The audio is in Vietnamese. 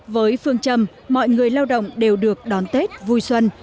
với phương châm mọi người lao động đều được đón tết vui xuân